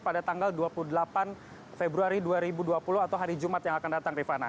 pada tanggal dua puluh delapan februari dua ribu dua puluh atau hari jumat yang akan datang rifana